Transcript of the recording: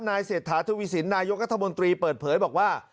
เศรษฐาทวีสินนายกรัฐมนตรีเปิดเผยบอกว่า